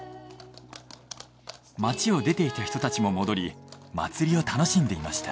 町を出ていた人たちも戻り祭りを楽しんでいました。